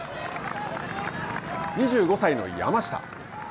２５歳の山下。